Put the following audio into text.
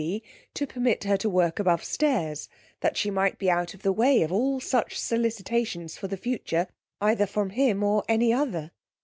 C ge to permit her to work above stairs, that she might be out of the way of all such solicitations for the future, either from him or any other.